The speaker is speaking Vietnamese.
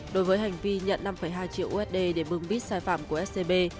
đối với hành vi nhận năm hai triệu usd để bưng bít sai phạm của scb